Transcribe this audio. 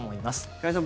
加谷さん